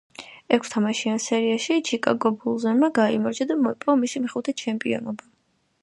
ექვს თამაშიან სერიაში ჩიკაგო ბულზმა გაიმარჯვა და მოიპოვა მისი მეხუთე ჩემპიონობა.